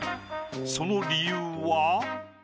その理由は？